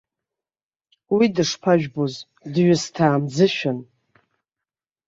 Уи дышԥажәбоз, дҩысҭаа мӡышәан.